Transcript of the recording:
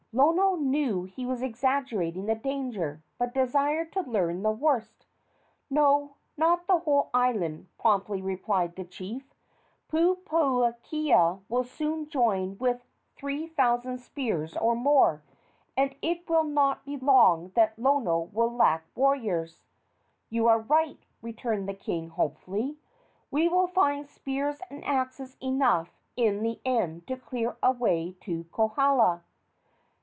Lono knew he was exaggerating the danger, but desired to learn the worst. "No, not the whole island," promptly replied the chief. "Pupuakea will soon join us with three thousand spears or more, and it will not be long that Lono will lack warriors." "You are right," returned the king, hopefully; "we will find spears and axes enough in the end to clear a way to Kohala."